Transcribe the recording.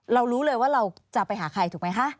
รู้เลยว่าเราจะไปหาใครถูกไหมคะ